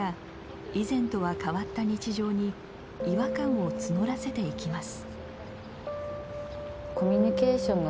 以前とは変わった日常に違和感を募らせていきます。